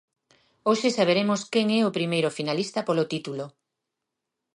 Hoxe saberemos quen é o primeiro finalista polo título.